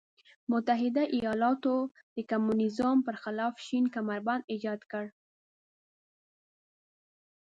متحده ایالتونو د کمونیزم پر خلاف شین کمربند ایجاد کړ.